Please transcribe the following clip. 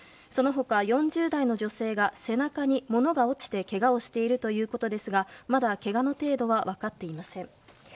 その他、４０代の女性が背中に物が落ちてけがをしているということですがまだ、けがの程度は分かっていません。